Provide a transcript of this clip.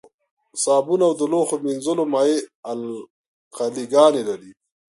صابون او د لوښو مینځلو مایع القلي ګانې لري.